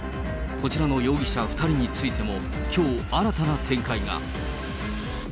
こちらの容疑者２人についても、きょう、新たな展開が。